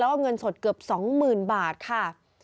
แล้วก็เงินสดเกือบสองหมื่นบาทค่ะ